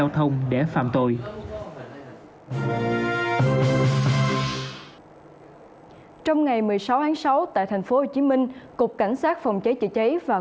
thông để phạm tội trong ngày một mươi sáu sáu tại thành phố hồ chí minh cục cảnh sát phòng cháy chữa cháy và